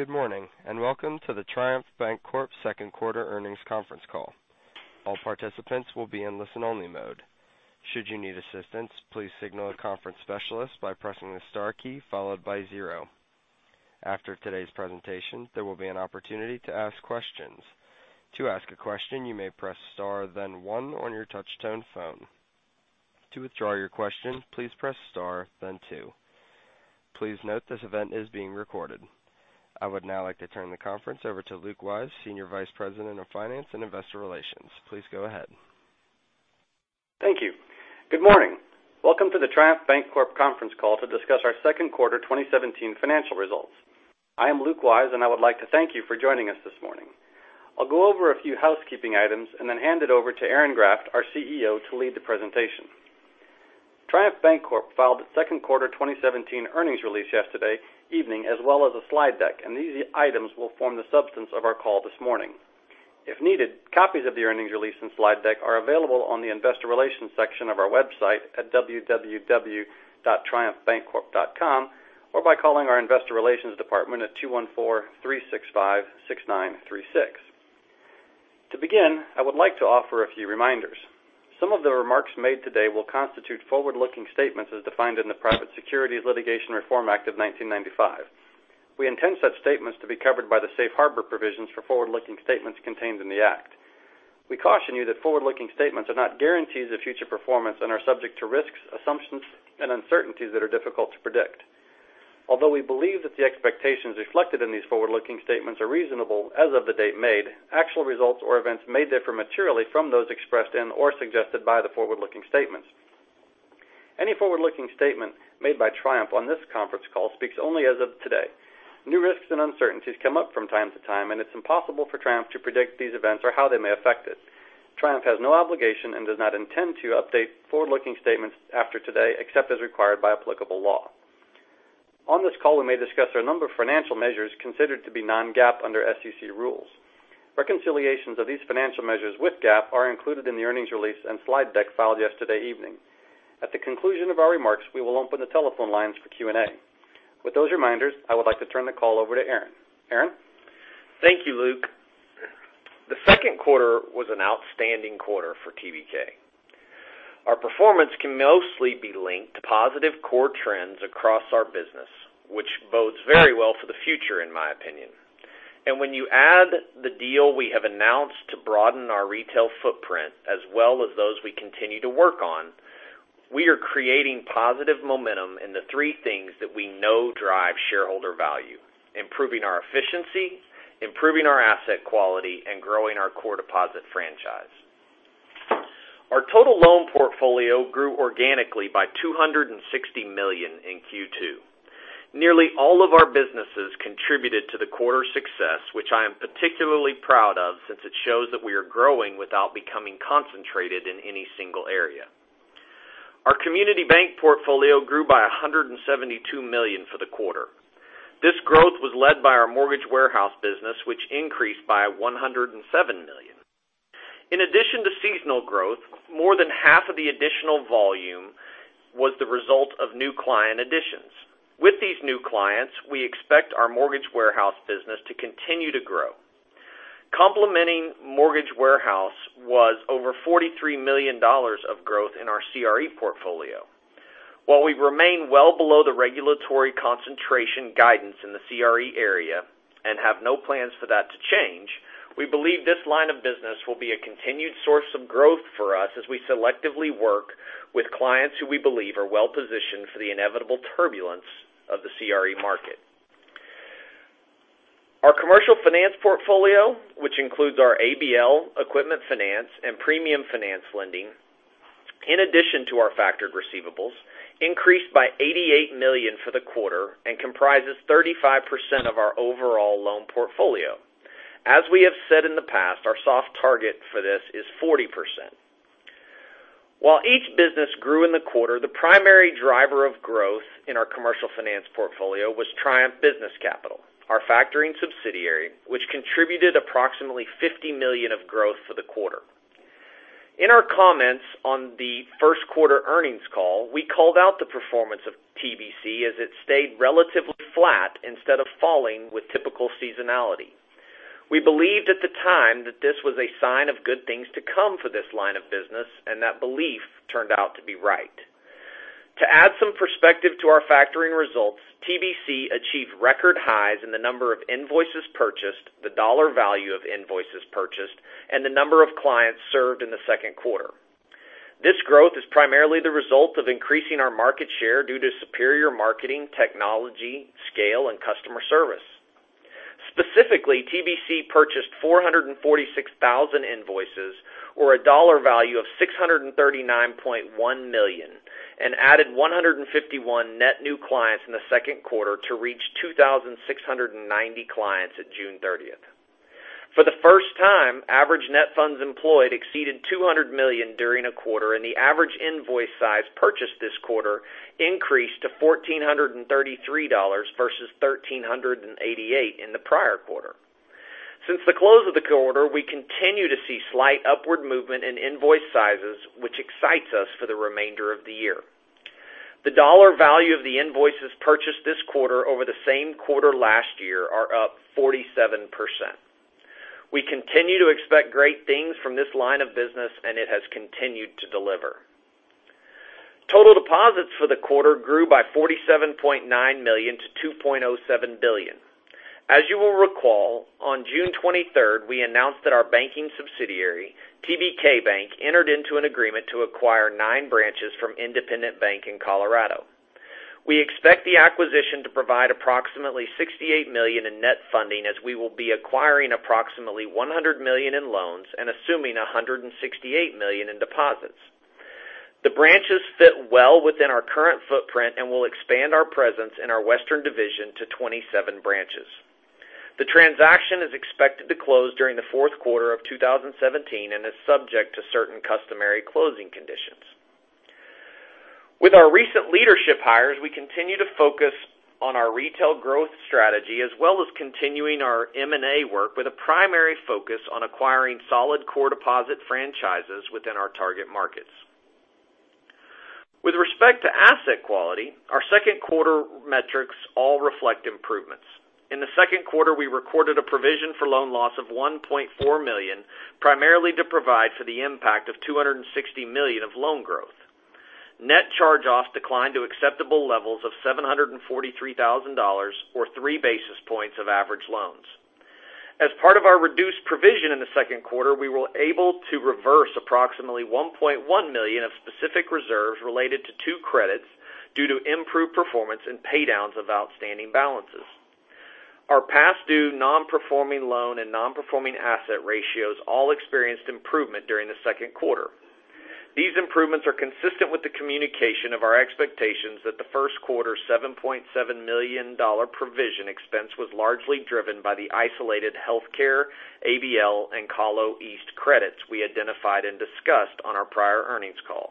Good morning, welcome to the Triumph Bancorp second quarter earnings conference call. All participants will be in listen only mode. Should you need assistance, please signal a conference specialist by pressing the star key followed by 0. After today's presentation, there will be an opportunity to ask questions. To ask a question, you may press star then 1 on your touch tone phone. To withdraw your question, please press star then 2. Please note this event is being recorded. I would now like to turn the conference over to Luke Wyse, Senior Vice President of Finance and Investor Relations. Please go ahead. Thank you. Good morning. Welcome to the Triumph Bancorp conference call to discuss our second quarter 2017 financial results. I am Luke Wyse, and I would like to thank you for joining us this morning. I'll go over a few housekeeping items, then hand it over to Aaron Graft, our CEO, to lead the presentation. Triumph Bancorp filed its second quarter 2017 earnings release yesterday evening as well as a slide deck. These items will form the substance of our call this morning. If needed, copies of the earnings release and slide deck are available on the investor relations section of our website at www.triumphbancorp.com or by calling our investor relations department at 214-365-6936. To begin, I would like to offer a few reminders. Some of the remarks made today will constitute forward-looking statements as defined in the Private Securities Litigation Reform Act of 1995. We intend such statements to be covered by the safe harbor provisions for forward-looking statements contained in the act. We caution you that forward-looking statements are not guarantees of future performance and are subject to risks, assumptions, and uncertainties that are difficult to predict. Although we believe that the expectations reflected in these forward-looking statements are reasonable as of the date made, actual results or events may differ materially from those expressed in or suggested by the forward-looking statements. Any forward-looking statement made by Triumph on this conference call speaks only as of today. New risks and uncertainties come up from time to time. It's impossible for Triumph to predict these events or how they may affect it. Triumph has no obligation and does not intend to update forward-looking statements after today except as required by applicable law. On this call, we may discuss a number of financial measures considered to be non-GAAP under SEC rules. Reconciliations of these financial measures with GAAP are included in the earnings release and slide deck filed yesterday evening. At the conclusion of our remarks, we will open the telephone lines for Q&A. With those reminders, I would like to turn the call over to Aaron. Aaron? Thank you, Luke. The second quarter was an outstanding quarter for TBK. Our performance can mostly be linked to positive core trends across our business, which bodes very well for the future in my opinion. When you add the deal we have announced to broaden our retail footprint as well as those we continue to work on, we are creating positive momentum in the three things that we know drive shareholder value: improving our efficiency, improving our asset quality, and growing our core deposit franchise. Our total loan portfolio grew organically by $260 million in Q2. Nearly all of our businesses contributed to the quarter's success, which I am particularly proud of since it shows that we are growing without becoming concentrated in any single area. Our community bank portfolio grew by $172 million for the quarter. This growth was led by our mortgage warehouse business, which increased by $107 million. In addition to seasonal growth, more than half of the additional volume was the result of new client additions. With these new clients, we expect our mortgage warehouse business to continue to grow. Complementing mortgage warehouse was over $43 million of growth in our CRE portfolio. While we remain well below the regulatory concentration guidance in the CRE area and have no plans for that to change, we believe this line of business will be a continued source of growth for us as we selectively work with clients who we believe are well positioned for the inevitable turbulence of the CRE market. Our commercial finance portfolio, which includes our ABL equipment finance and premium finance lending, in addition to our factored receivables, increased by $88 million for the quarter and comprises 35% of our overall loan portfolio. As we have said in the past, our soft target for this is 40%. While each business grew in the quarter, the primary driver of growth in our commercial finance portfolio was Triumph Business Capital, our factoring subsidiary, which contributed approximately $50 million of growth for the quarter. In our comments on the first quarter earnings call, we called out the performance of TBC as it stayed relatively flat instead of falling with typical seasonality. We believed at the time that this was a sign of good things to come for this line of business, that belief turned out to be right. To add some perspective to our factoring results, TBC achieved record highs in the number of invoices purchased, the dollar value of invoices purchased, and the number of clients served in the second quarter. This growth is primarily the result of increasing our market share due to superior marketing, technology, scale, and customer service. Specifically, TBC purchased 446,000 invoices or a dollar value of $639.1 million and added 151 net new clients in the second quarter to reach 2,690 clients at June 30th. For the first time, average net funds employed exceeded $200 million during a quarter, the average invoice size purchased this quarter increased to $1,433 versus $1,388 in the prior quarter. Since the close of the quarter, we continue to see slight upward movement in invoice sizes, which excites us for the remainder of the year. The dollar value of the invoices purchased this quarter over the same quarter last year are up 47%. We continue to expect great things from this line of business, and it has continued to deliver. Total deposits for the quarter grew by $47.9 million to $2.07 billion. As you will recall, on June 23rd, we announced that our banking subsidiary, TBK Bank, entered into an agreement to acquire nine branches from Independent Bank in Colorado. We expect the acquisition to provide approximately $68 million in net funding, as we will be acquiring approximately $100 million in loans and assuming $168 million in deposits. The branches fit well within our current footprint and will expand our presence in our western division to 27 branches. The transaction is expected to close during the fourth quarter of 2017 and is subject to certain customary closing conditions. With our recent leadership hires, we continue to focus on our retail growth strategy, as well as continuing our M&A work with a primary focus on acquiring solid core deposit franchises within our target markets. With respect to asset quality, our second quarter metrics all reflect improvements. In the second quarter, we recorded a provision for loan loss of $1.4 million, primarily to provide for the impact of $260 million of loan growth. Net charge-offs declined to acceptable levels of $743,000, or three basis points of average loans. As part of our reduced provision in the second quarter, we were able to reverse approximately $1.1 million of specific reserves related to two credits due to improved performance and paydowns of outstanding balances. Our past due non-performing loan and non-performing asset ratios all experienced improvement during the second quarter. These improvements are consistent with the communication of our expectations that the first quarter $7.7 million provision expense was largely driven by the isolated healthcare, ABL, and CaloEast credits we identified and discussed on our prior earnings call.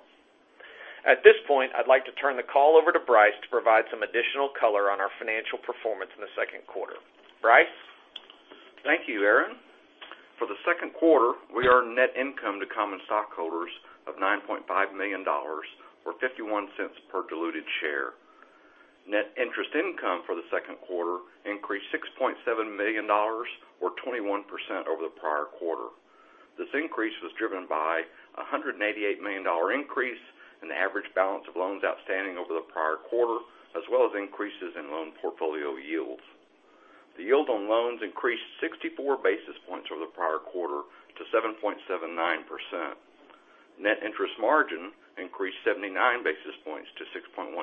At this point, I'd like to turn the call over to Bryce to provide some additional color on our financial performance in the second quarter. Bryce? Thank you, Aaron. For the second quarter, we earned net income to common stockholders of $9.5 million, or $0.51 per diluted share. Net interest income for the second quarter increased $6.7 million, or 21% over the prior quarter. This increase was driven by a $188 million increase in the average balance of loans outstanding over the prior quarter, as well as increases in loan portfolio yields. The yield on loans increased 64 basis points over the prior quarter to 7.79%. Net interest margin increased 79 basis points to 6.16%.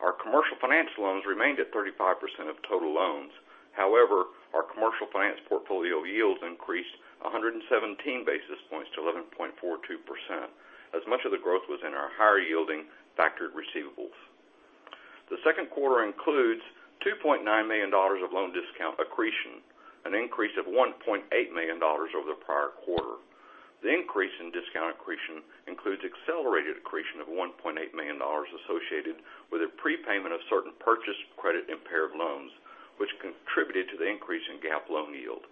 Our commercial finance loans remained at 35% of total loans. However, our commercial finance portfolio yields increased 117 basis points to 11.42%, as much of the growth was in our higher-yielding factored receivables. The second quarter includes $2.9 million of loan discount accretion, an increase of $1.8 million over the prior quarter. The increase in discount accretion includes accelerated accretion of $1.8 million associated with a prepayment of certain Purchased Credit-Impaired Loans, which contributed to the increase in GAAP loan yield.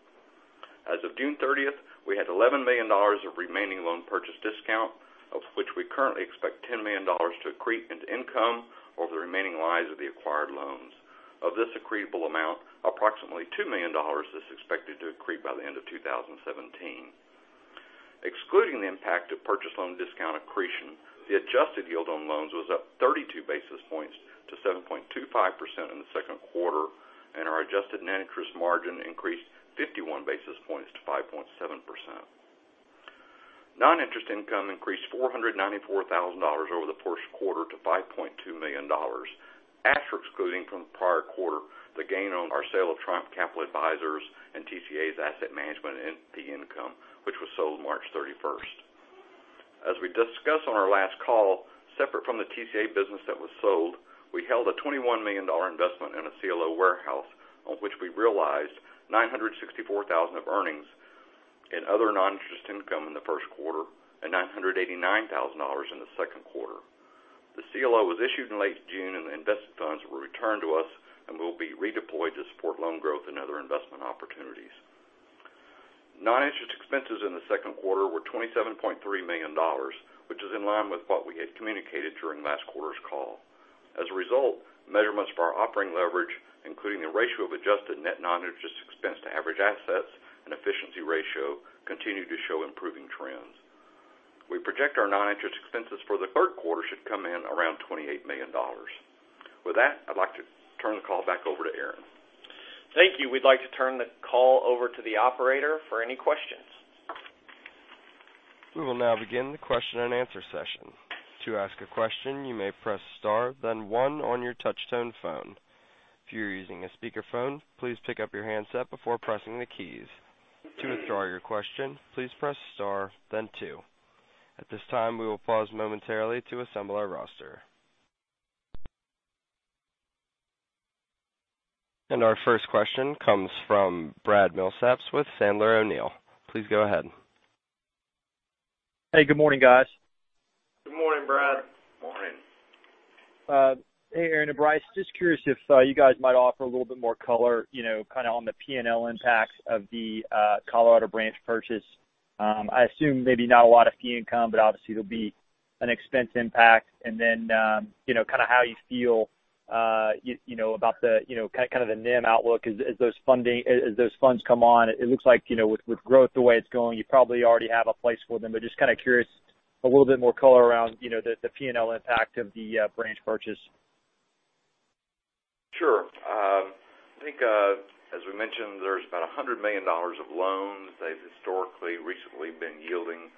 As of June 30th, we had $11 million of remaining loan purchase discount, of which we currently expect $10 million to accrete into income over the remaining lives of the acquired loans. Of this accretable amount, approximately $2 million is expected to accrete by the end of 2017. Excluding the impact of purchase loan discount accretion, the adjusted yield on loans was up 32 basis points to 7.25% in the second quarter, and our adjusted net interest margin increased 51 basis points to 5.7%. Non-interest income increased $494,000 over the first quarter to $5.2 million, after excluding from the prior quarter the gain on our sale of Triumph Capital Advisors and TCA's asset management and fee income, which was sold March 31st. As we discussed on our last call, separate from the TCA business that was sold, we held a $21 million investment in a CLO warehouse, on which we realized $964,000 of earnings in other non-interest income in the first quarter and $989,000 in the second quarter. The CLO was issued in late June, and the invested funds were returned to us and will be redeployed to support loan growth and other investment opportunities. Non-interest expenses in the second quarter were $27.3 million, which is in line with what we had communicated during last quarter's call. As a result, measurements for our operating leverage, including the ratio of adjusted net non-interest expense to average assets and efficiency ratio, continue to show improving trends. We project our non-interest expenses for the third quarter should come in around $28 million. With that, I'd like to turn the call back over to Aaron. Thank you. We'd like to turn the call over to the operator for any questions. We will now begin the question and answer session. To ask a question, you may press star then one on your touch-tone phone. If you are using a speakerphone, please pick up your handset before pressing the keys. To withdraw your question, please press star then two. At this time, we will pause momentarily to assemble our roster. Our first question comes from Brad Milsaps with Sandler O'Neill. Please go ahead. Hey, good morning, guys. Good morning, Brad. Hey Aaron and Bryce. Just curious if you guys might offer a little bit more color on the P&L impact of the Colorado branch purchase. I assume maybe not a lot of fee income, but obviously there'll be an expense impact and then how you feel about the NIM outlook as those funds come on. It looks like with growth the way it's going, you probably already have a place for them, but just kind of curious, a little bit more color around the P&L impact of the branch purchase. Sure. I think as we mentioned, there's about $100 million of loans. They've historically recently been yielding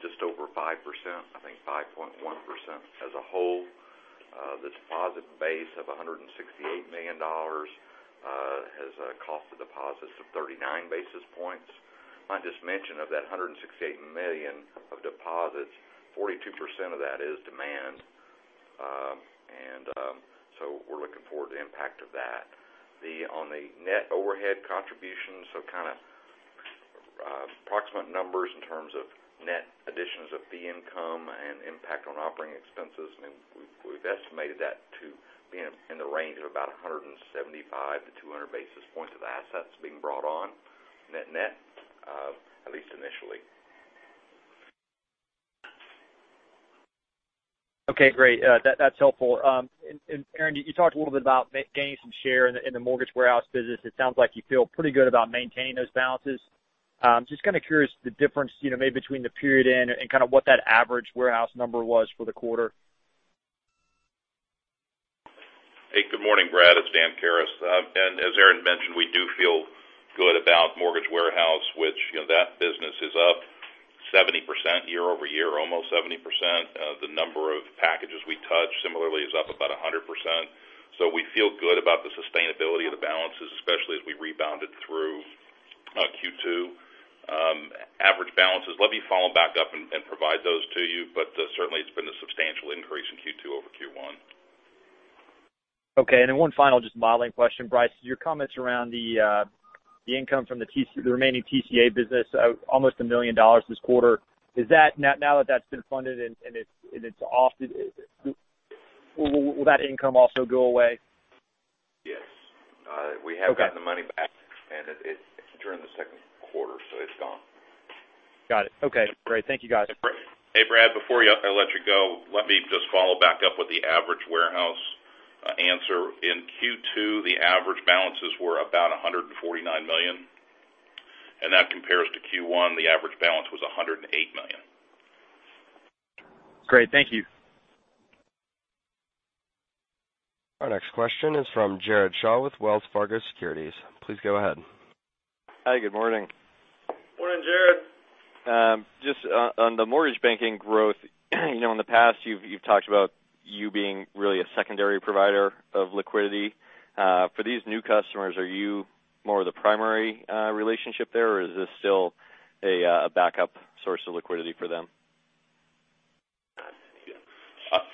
just over 5%, I think 5.1% as a whole. The deposit base of $168 million has a cost of deposits of 39 basis points. On this mention of that $168 million of deposits, 42% of that is demand. We're looking forward to the impact of that. On the net overhead contributions, so kind of approximate numbers in terms of net additions of fee income and impact on operating expenses, we've estimated that to be in the range of about 175 to 200 basis points of assets being brought on net net, at least initially. Okay, great. That's helpful. Aaron, you talked a little bit about gaining some share in the mortgage warehouse business. It sounds like you feel pretty good about maintaining those balances. Just kind of curious the difference maybe between the period and what that average warehouse number was for the quarter. Hey, good morning, Brad. It's Dan Karas. As Aaron mentioned, we do feel good about mortgage warehouse, which that business is up 70% year-over-year, almost 70%. The number of packages we touch similarly is up about 100%. We feel good about the sustainability of the balances, especially as we rebounded through Q2. Average balances, let me follow back up and provide those to you, but certainly it's been a substantial increase in Q2 over Q1. Okay. One final just modeling question. Bryce, your comments around the income from the remaining TCA business, almost $1 million this quarter. Now that that's been funded and it's off, will that income also go away? Yes. Okay. We have gotten the money back and it's during the second quarter, so it's gone. Got it. Okay, great. Thank you, guys. Hey, Brad, before I let you go, let me just follow back up with the average warehouse answer. In Q2, the average balances were about $149 million, and that compares to Q1, the average balance was $108 million. Great. Thank you. Our next question is from Jared Shaw with Wells Fargo Securities. Please go ahead. Hi, good morning. Morning, Jared. Just on the mortgage banking growth, in the past you've talked about you being really a secondary provider of liquidity. For these new customers, are you more of the primary relationship there, or is this still a backup source of liquidity for them?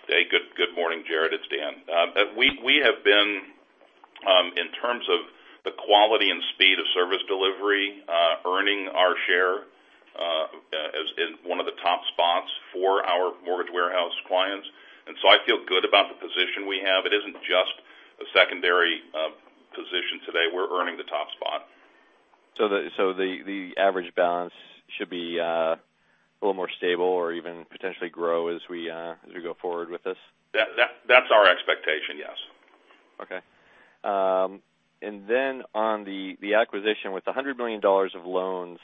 Hey, good morning, Jared. It's Dan. We have been, in terms of the quality and speed of service delivery, earning our share in one of the top spots for our mortgage warehouse clients. I feel good about the position we have. It isn't just a secondary position today. We're earning the top spot. The average balance should be a little more stable or even potentially grow as we go forward with this? That's our expectation, yes. Okay. On the acquisition, with the $100 million of loans,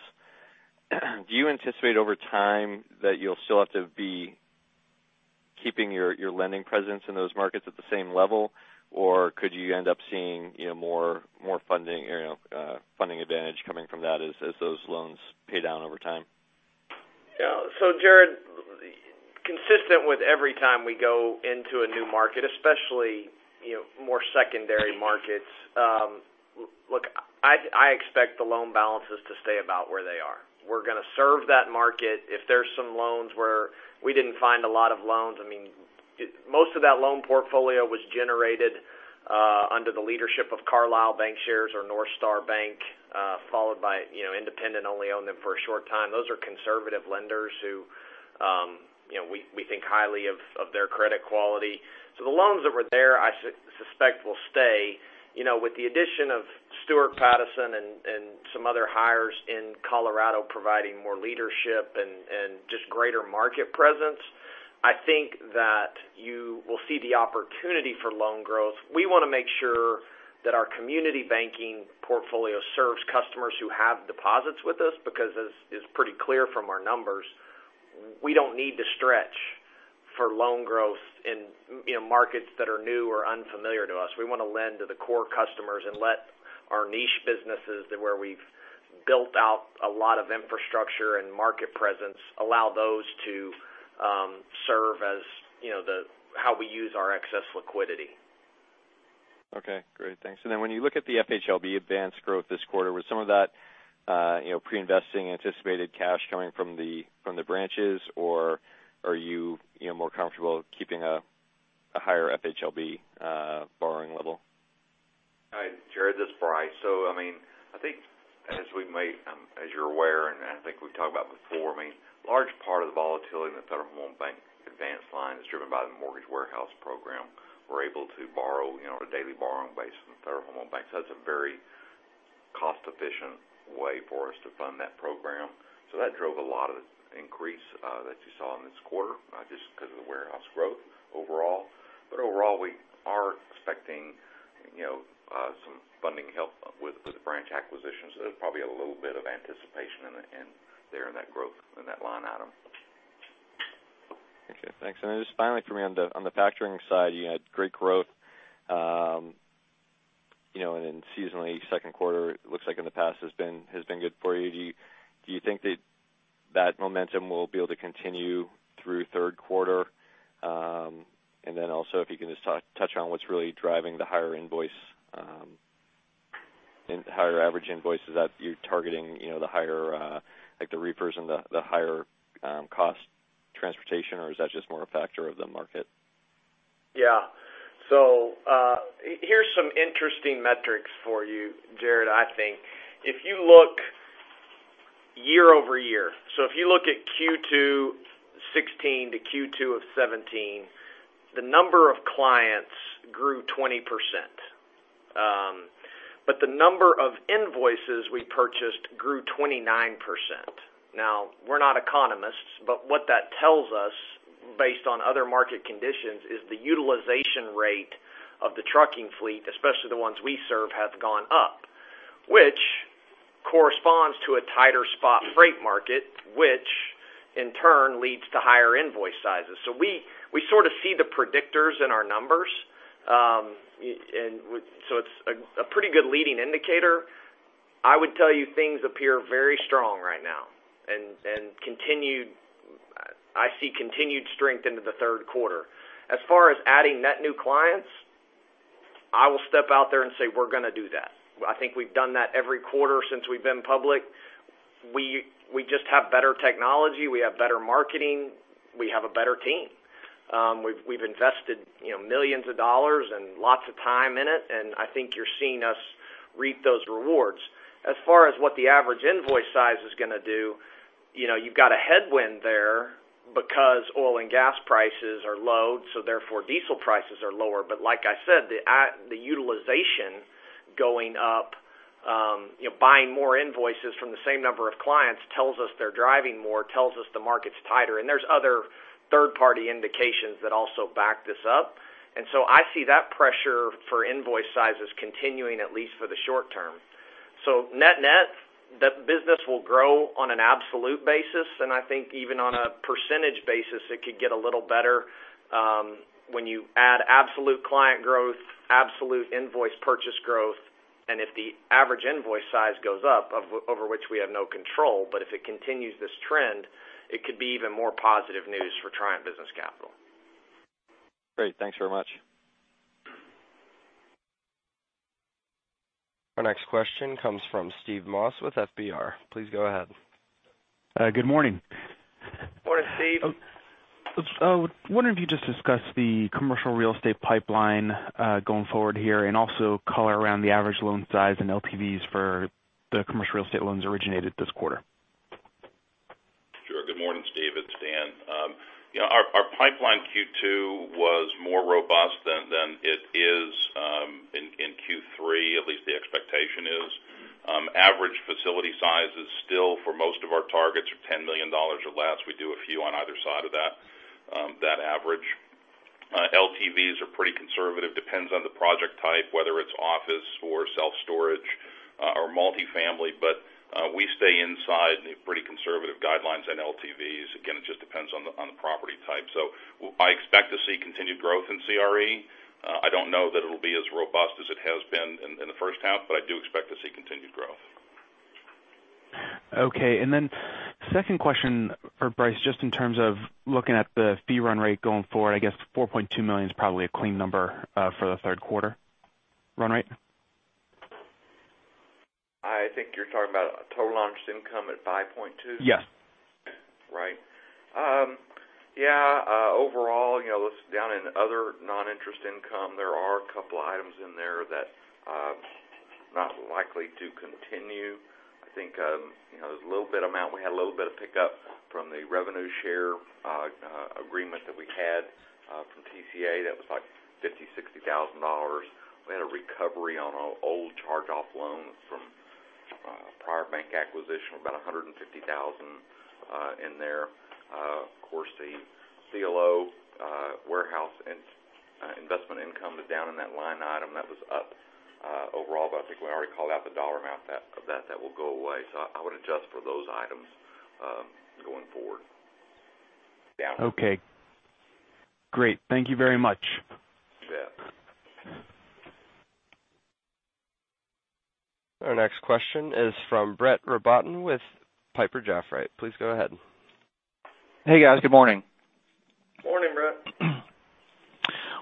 do you anticipate over time that you'll still have to be keeping your lending presence in those markets at the same level, or could you end up seeing more funding advantage coming from that as those loans pay down over time? Jared, consistent with every time we go into a new market, especially more secondary markets, I expect the loan balances to stay about where they are. We're going to serve that market. If there's some loans where we didn't find a lot of loans, most of that loan portfolio was generated under the leadership of Carlile Bancshares or Northstar Bank followed by Independent only owned them for a short time. Those are conservative lenders who we think highly of their credit quality. The loans that were there I suspect will stay. With the addition of Stuart Pattison and some other hires in Colorado providing more leadership and just greater market presence, I think that you will see the opportunity for loan growth. We want to make sure that our community banking portfolio serves customers who have deposits with us because as is pretty clear from our numbers, we don't need to stretch for loan growth in markets that are new or unfamiliar to us. We want to lend to the core customers and let our niche businesses where we've built out a lot of infrastructure and market presence, allow those to serve as how we use our excess liquidity. Okay, great. Thanks. When you look at the FHLB advance growth this quarter, was some of that pre-investing anticipated cash coming from the branches, or are you more comfortable keeping a higher FHLB borrowing level? Hi, Jared, this is Bryce. I think as you're aware, and I think we've talked about before, a large part of the volatility in the Federal Home Loan Bank advance line is driven by the mortgage warehouse program. We're able to borrow on a daily borrowing basis from the Federal Home Loan Bank. That's a very cost-efficient way for us to fund that program. That drove a lot of the increase that you saw in this quarter, just because of the warehouse growth overall. Overall, we are expecting some funding help with the branch acquisitions. There's probably a little bit of anticipation there in that growth in that line item. Okay, thanks. Just finally from me, on the factoring side, you had great growth. Seasonally, second quarter, it looks like in the past has been good for you. Do you think that that momentum will be able to continue through third quarter? Also, if you can just touch on what's really driving the higher average invoice. Is that you're targeting the higher, like the reefers and the higher cost transportation or is that just more a factor of the market? Yeah. Here's some interesting metrics for you, Jared, I think. If you look year-over-year, if you look at Q2 2016 to Q2 of 2017, the number of clients grew 20%, but the number of invoices we purchased grew 29%. We're not economists, what that tells us, based on other market conditions, is the utilization rate of the trucking fleet, especially the ones we serve, have gone up, which corresponds to a tighter spot freight market, which in turn leads to higher invoice sizes. We sort of see the predictors in our numbers. It's a pretty good leading indicator. I would tell you things appear very strong right now, and I see continued strength into the third quarter. As far as adding net new clients, I will step out there and say we're going to do that. I think we've done that every quarter since we've been public. We just have better technology. We have better marketing. We have a better team. We've invested millions of dollars and lots of time in it, and I think you're seeing us reap those rewards. As far as what the average invoice size is going to do, you've got a headwind there because oil and gas prices are low, diesel prices are lower. Like I said, the utilization going up, buying more invoices from the same number of clients tells us they're driving more, tells us the market's tighter. There's other third-party indications that also back this up. I see that pressure for invoice sizes continuing at least for the short term. Net-net, that business will grow on an absolute basis, and I think even on a percentage basis, it could get a little better when you add absolute client growth, absolute invoice purchase growth, and if the average invoice size goes up, over which we have no control, but if it continues this trend, it could be even more positive news for Triumph Business Capital. Great. Thanks very much. Our next question comes from Steve Moss with FBR. Please go ahead. Good morning. Morning, Steve. I was wondering if you could just discuss the commercial real estate pipeline, going forward here, and also color around the average loan size and LTVs for the commercial real estate loans originated this quarter. Sure. Good morning, Steve, it's Dan. Our pipeline Q2 was more robust than it is in Q3, at least the expectation is. Average facility size is still, for most of our targets, are $10 million or less. We do a few on either side of that average. LTVs are pretty conservative, depends on the project type, whether it's office or self-storage or multi-family. We stay inside pretty conservative guidelines on LTVs. Again, it just depends on the property type. I expect to see continued growth in CRE. I don't know that it'll be as robust as it has been in the first half, but I do expect to see continued growth. Okay. Then second question for Bryce, just in terms of looking at the fee run rate going forward, I guess $4.2 million is probably a clean number for the third quarter run rate. I think you're talking about total interest income at $5.2? Yes. Right. Yeah. Overall, down in other non-interest income, there are a couple items in there that not likely to continue. I think there's a little bit amount, we had a little bit of pickup from the revenue share agreement that we had from TCA. That was like $50,000, $60,000. We had a recovery on an old charge-off loan from a prior bank acquisition, about $150,000 in there. Of course, the CLO warehouse investment income is down in that line item. That was up overall, but I think we already called out the dollar amount of that. That will go away. I would adjust for those items going forward. Okay. Great. Thank you very much. Yeah. Our next question is from Brett Robatin with Piper Jaffray. Please go ahead. Hey, guys. Good morning. Morning, Brett.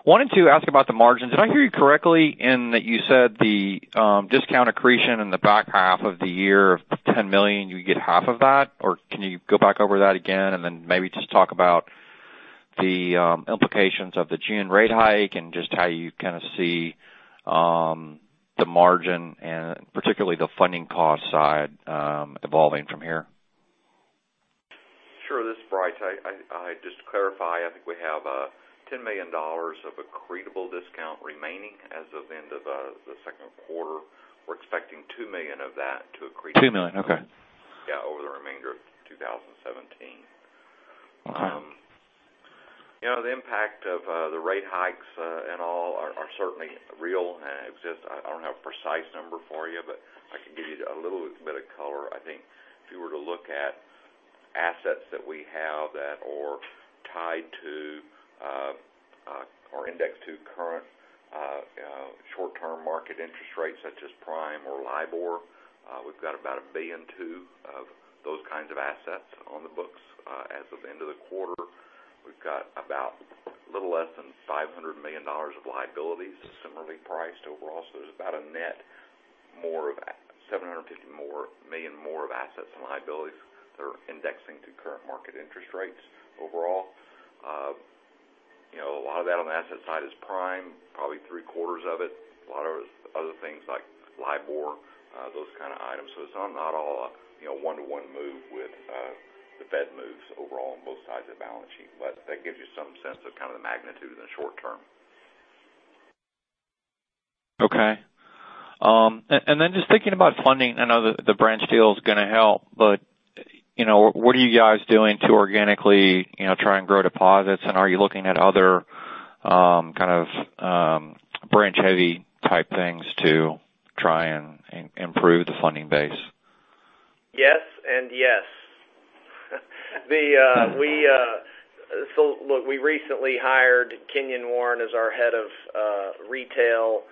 Wanted to ask about the margins. Did I hear you correctly in that you said the discount accretion in the back half of the year of $10 million, you would get half of that? Can you go back over that again and then maybe just talk about the implications of the June rate hike and just how you kind of see the margin and particularly the funding cost side evolving from here. Sure. This is Bryce. Just to clarify, I think we have $10 million of accretable discount remaining as of the end of the second quarter. We're expecting $2 million of that to accrete $2 million. Okay Over the remainder of 2017. Okay. The impact of the rate hikes and all are certainly real and exist. I don't have a precise number for you, but I can give you a little bit of color. I think if you were to look at assets that we have that are tied to or indexed to current short-term market interest rates such as Prime or LIBOR, we've got about $1.2 billion of those kinds of assets on the books as of end of the quarter. We've got about a little less than $500 million of liabilities similarly priced overall. There's about a net of $750 million more of assets and liabilities that are indexing to current market interest rates overall. A lot of that on the asset side is Prime, probably three quarters of it. A lot of other things like LIBOR, those kind of items. It's not all a one-to-one move with the Fed moves overall on both sides of the balance sheet. That gives you some sense of kind of the magnitude in the short term. Okay. Just thinking about funding, I know the branch deal is going to help, what are you guys doing to organically try and grow deposits? Are you looking at other kind of branch-heavy type things to try and improve the funding base? Yes and yes. Look, we recently hired Kenyon Warren as our head of retail,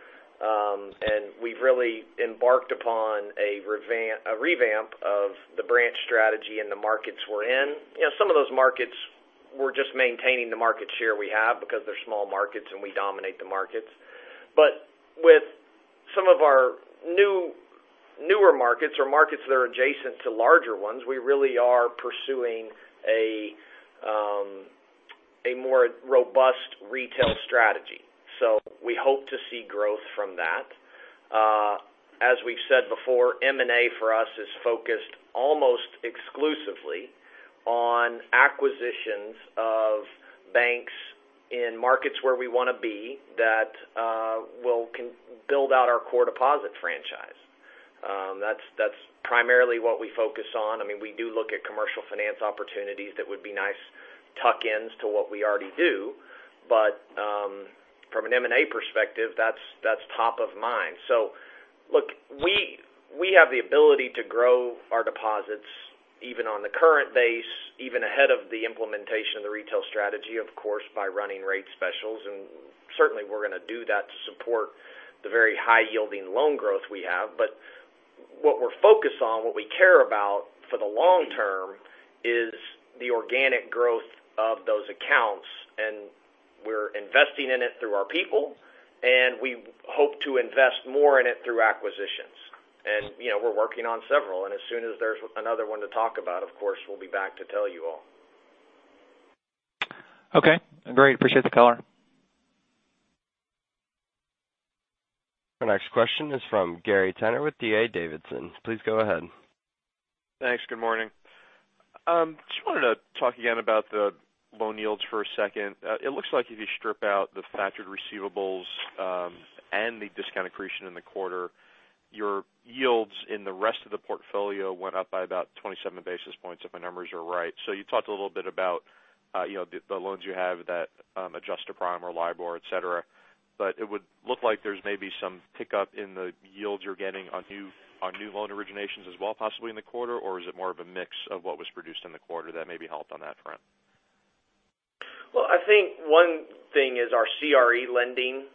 and we've really embarked upon a revamp of the branch strategy in the markets we're in. Some of those markets we're just maintaining the market share we have because they're small markets, and we dominate the markets. With some of our newer markets or markets that are adjacent to larger ones, we really are pursuing a more robust retail strategy. We hope to see growth from that. As we've said before, M&A for us is focused almost exclusively on acquisitions of banks in markets where we want to be that can build out our core deposit franchise. That's primarily what we focus on. We do look at commercial finance opportunities that would be nice tuck-ins to what we already do. From an M&A perspective, that's top of mind. Look, we have the ability to grow our deposits even on the current base, even ahead of the implementation of the retail strategy, of course, by running rate specials, and certainly we're going to do that to support the very high yielding loan growth we have. What we're focused on, what we care about for the long term, is the organic growth of those accounts, and we're investing in it through our people, and we hope to invest more in it through acquisitions. We're working on several, and as soon as there's another one to talk about, of course, we'll be back to tell you all. Okay, great. Appreciate the color. Our next question is from Gary Tenner with D.A. Davidson. Please go ahead. Thanks. Good morning. Just wanted to talk again about the loan yields for a second. It looks like if you strip out the factored receivables, and the discount accretion in the quarter, your yields in the rest of the portfolio went up by about 27 basis points if my numbers are right. You talked a little bit about the loans you have that adjust to Prime or LIBOR, et cetera. It would look like there's maybe some pickup in the yields you're getting on new loan originations as well, possibly in the quarter, or is it more of a mix of what was produced in the quarter that maybe helped on that front? Well, I think one thing is our CRE lending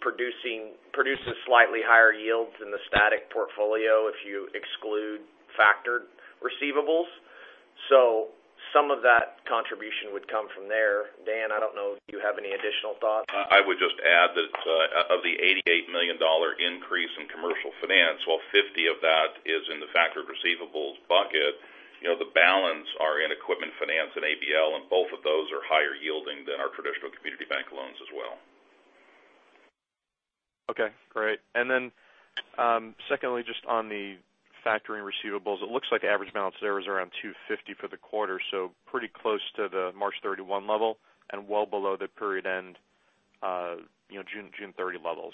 produces slightly higher yields than the static portfolio if you exclude factored receivables. Some of that contribution would come from there. Dan, I don't know if you have any additional thoughts. I would just add that of the $88 million increase in commercial finance, while $50 million of that is in the factored receivables bucket, the balance are in equipment finance and ABL, and both of those are higher yielding than our traditional community bank loans as well. Okay. Great. Secondly, just on the factoring receivables, it looks like the average balance there was around 250 for the quarter, so pretty close to the March 31 level and well below the period end June 30 level.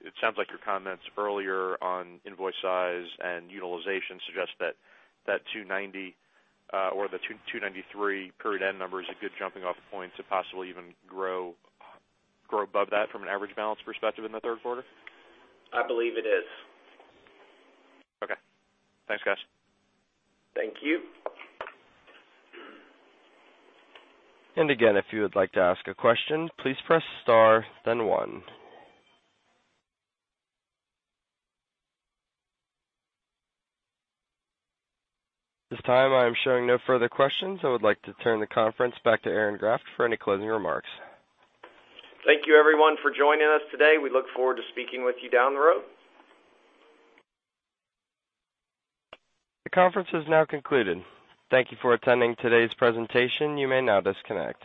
It sounds like your comments earlier on invoice size and utilization suggest that that 290 or the 293 period end number is a good jumping off point to possibly even grow above that from an average balance perspective in the third quarter? I believe it is. Okay. Thanks, guys. Thank you. Again, if you would like to ask a question, please press star, then one. At this time, I am showing no further questions. I would like to turn the conference back to Aaron Graft for any closing remarks. Thank you everyone for joining us today. We look forward to speaking with you down the road. The conference is now concluded. Thank you for attending today's presentation. You may now disconnect.